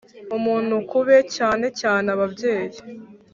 umuntu ku be (cyane cyane ababyeyi)